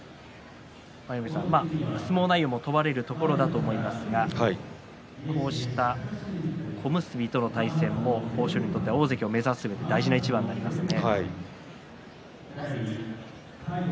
舞の海さん、相撲内容も問われるところだと思いますがこうした小結との対戦も大関を目指すうえで大事な一番になりますよね。